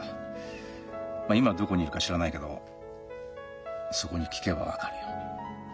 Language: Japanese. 今どこにいるか知らないけどそこに聞けば分かるよ。